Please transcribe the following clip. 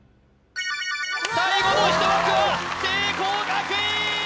最後の１枠は聖光学院！